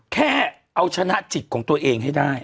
แค่เอาชนะจิตของตัวเองให้ได้